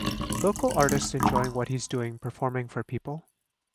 Local artist enjoying what he 's doing performing for people.